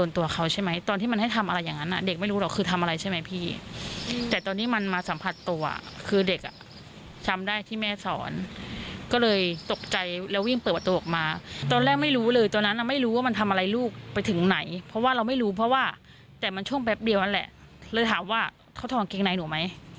ถามไม่สิบรอบกลัวเด็กมันไม่กล้าพูดใช่ไหม